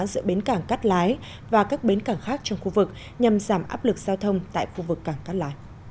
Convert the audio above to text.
giữa bến cảng cắt lái và các bến cảng khác trong khu vực nhằm giảm áp lực giao thông tại khu vực cảng cát lái